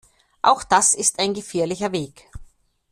Auch das ist ein gefährlicher Weg!